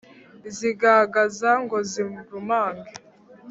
sigagaza ngo zirumange